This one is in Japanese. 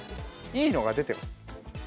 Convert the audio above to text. いいのが出てます。